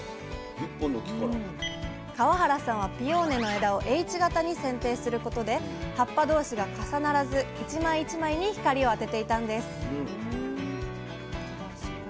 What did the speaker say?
河原さんはピオーネの枝をＨ型にせんていすることで葉っぱ同士が重ならず１枚１枚に光を当てていたんです